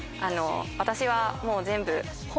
私はもう全部。